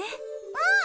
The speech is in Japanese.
うん！